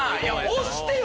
押してよ